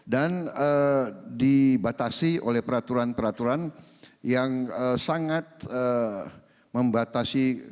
dan dibatasi oleh peraturan peraturan yang sangat membatasi